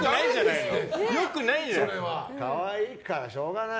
可愛いからしょうがない。